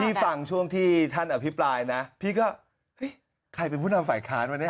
ฟังช่วงที่ท่านอภิปรายนะพี่ก็เฮ้ยใครเป็นผู้นำฝ่ายค้านวันนี้